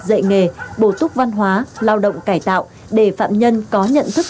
dạy nghề bổ túc văn hóa lao động cải tạo để phạm nhân có nhận thức